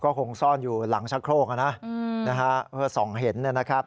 ก็คงซ่อนอยู่หลังชะโครกนะเพื่อส่องเห็นนะครับ